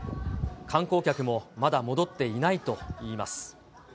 観光客もまだ戻っていないといいます。